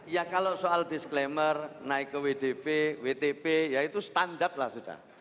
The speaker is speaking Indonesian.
ya kalau soal disclaimer naik ke wdp wtp ya itu standar lah sudah